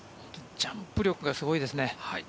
ジャンプ力がすごいですよね。